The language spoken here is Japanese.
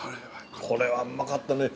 これはうまかったね。